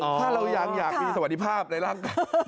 อ๋อถ้าเรายังอยากมีสวัสดีภาพในลักษณ์